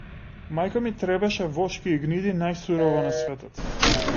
Мајка ми требеше вошки и гниди најсурово на светот.